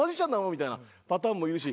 みたいなパターンもいるし。